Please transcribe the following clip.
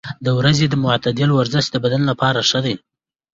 د ورځې معتدل ورزش د بدن لپاره ښه دی.